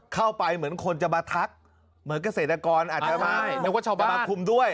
เข้าไปเหมือนคนจะมาทักเหมือนเกษตรกรอาจจะมาคุมด้วย